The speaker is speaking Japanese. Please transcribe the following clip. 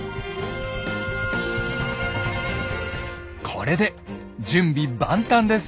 これで準備万端です。